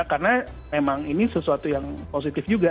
karena memang ini sesuatu yang positif juga